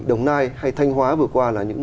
đồng nai hay thanh hóa vừa qua là những